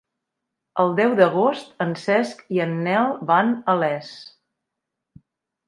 El deu d'agost en Cesc i en Nel van a Les.